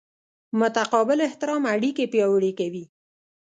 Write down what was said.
متقابل احترام اړیکې پیاوړې کوي.